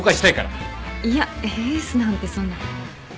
いやエースなんてそんな。